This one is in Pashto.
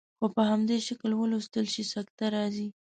خو په همدې شکل ولوستل شي سکته راځي.